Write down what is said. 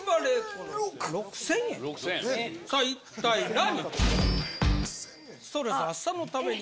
さあ一体何？